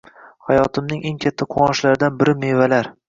Hayotimning eng katta quvonchlaridan biri mevalar